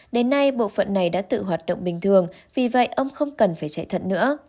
đến nay bộ phận này đã tự hoạt động bình thường vì vậy ông không cần phải chạy thận nữa